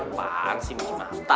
apaan sih misi mata